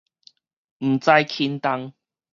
毋知輕重